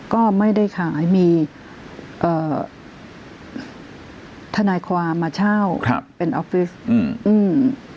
ก็ไม่ได้ขายมีเอ่อทนายความมาเช่าครับเป็นออฟฟิศอืมอืม